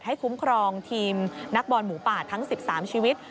คุ้มครองทีมนักบอลหมูป่าทั้ง๑๓ชีวิต